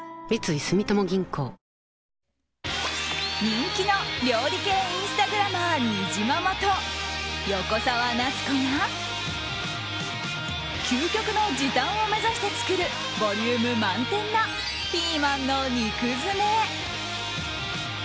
人気の料理系インスタグラマーにじままと横澤夏子が究極の時短を目指して作るボリューム満点なピーマンの肉詰め。